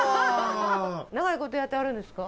長いことやってはるんですか？